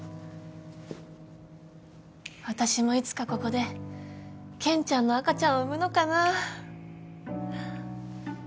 私もいつかここで健ちゃんの赤ちゃんを産むのかな？